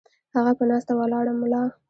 هغه پۀ ناسته ولاړه ملا